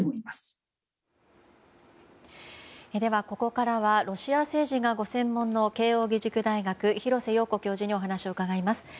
ここからはロシア政治がご専門の慶應義塾大学廣瀬陽子教授にお話を伺います。